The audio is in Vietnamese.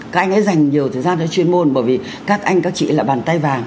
các anh ấy dành nhiều thời gian cho chuyên môn bởi vì các anh các chị là bàn tay vàng